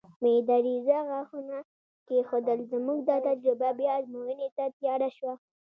مېده رېزه ښاخونه کېښودل، زموږ دا تجربه بیا ازموینې ته تیاره شوه.